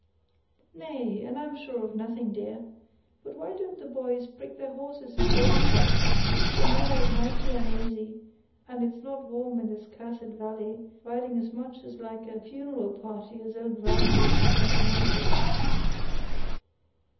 "Nay—and I'm sure of nothing, dear. But why don't the boys prick their horses and jog a trot? The mare is mighty un'asy, and it's no warm in this cursed valley, riding as much like a funeral party as old rags is to continental."